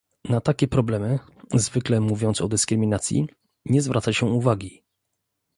Na takie problemy, zwykle mówiąc o dyskryminacji, nie zwraca się uwagi